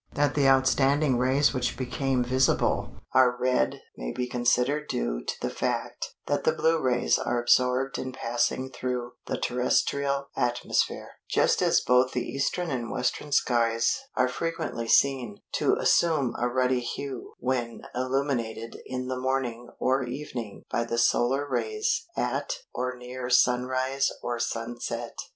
That the outstanding rays which became visible are red may be considered due to the fact that the blue rays are absorbed in passing through the terrestrial atmosphere, just as both the eastern and western skies are frequently seen to assume a ruddy hue when illuminated in the morning or evening by the solar rays at or near sunrise or sunset.